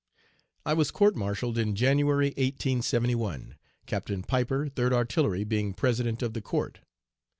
"I was court martialled in January, 1871, Captain Piper, Third Artillery, being President of the court.